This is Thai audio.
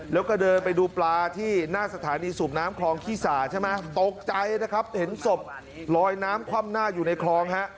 แล้วก็เดินไปดูปลาที่หน้าสถานีสูบน้ำคลองขี้สาใช่ไหมตกใจนะครับเห็นศพลอยน้ำคว่ำหน้าอยู่ในคลองฮะ